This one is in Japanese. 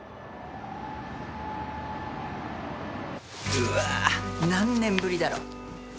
うわ何年ぶりだろ。